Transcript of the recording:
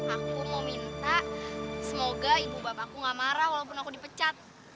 aku mau minta semoga ibu bapaku tidak marah walaupun aku dipecat